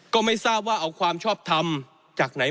ก็ไม่ทราบว่าเอาความชอบทำจากไหน